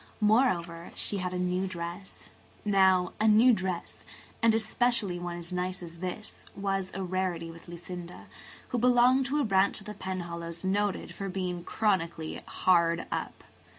Moreover, she had a new dress. Now, a new dress–and especially one as nice as this–was a rarity with Lucinda, who belonged to a branch of the Penhallows noted for being chronically hard up.